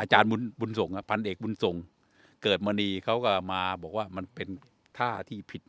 อาจารย์บุญส่งพันเอกบุญส่งเกิดมณีเขาก็มาบอกว่ามันเป็นท่าที่ผิด